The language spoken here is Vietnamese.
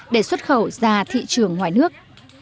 để xuất khẩu ra thị trường ngoài nước